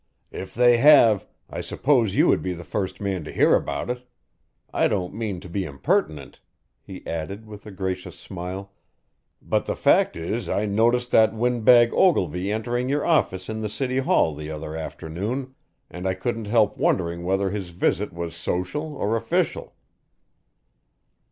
"If they have, I suppose you would be the first man to hear about it. I don't mean to be impertinent," he added with a gracious smile, "but the fact is I noticed that windbag Ogilvy entering your office in the city hall the other afternoon, and I couldn't help wondering whether his visit was social or official."